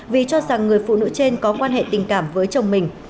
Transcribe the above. vì cho rằng người phụ nữ trên có quan hệ tình cảm với chồng mình